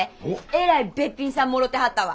えらいべっぴんさんもろてはったわ。